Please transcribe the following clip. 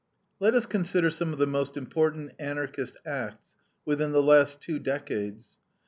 Let us consider some of the most important Anarchist acts within the last two decades.